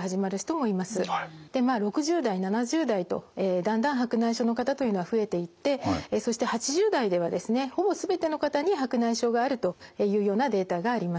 まあ６０代７０代とだんだん白内障の方というのは増えていってそして８０代ではですねほぼ全ての方に白内障があるというようなデータがあります。